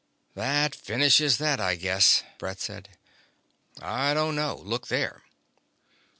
"That finishes that, I guess," Brett said. "I don't know. Look there."